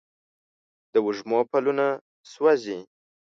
د وږمو پلونه سوزي